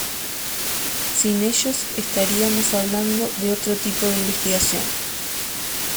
Sin ellos, estaríamos hablando de otro tipo de investigación.